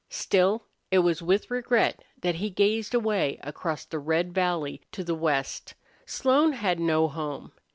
Still, it was with regret that he gazed away across the red valley to the west. Slone had no home.